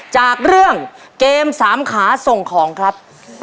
จากเรื่องเกมสามขาส่งของครับ